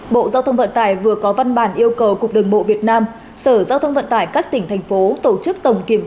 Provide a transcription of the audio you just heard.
bộ giao thông vận tải vừa có văn bản yêu cầu cục đường bộ việt nam sở giao thông vận tải các tỉnh thành phố